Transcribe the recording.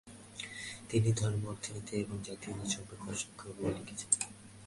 তিনি ধর্ম, অর্থনীতি এবং জাতীয়তাবাদ সম্পর্কে অসংখ্য বই লিখেছিলেন।